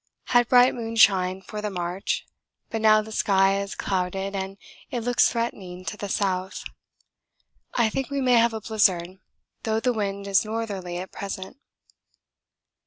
Had bright moonshine for the march, but now the sky has clouded and it looks threatening to the south. I think we may have a blizzard, though the wind is northerly at present.